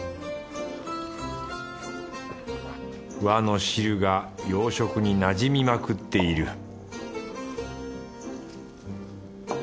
和の汁が洋食になじみまくっている